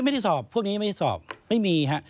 ไม่ได้สอบพวกนี้ไม่ได้สอบไม่มีฮะ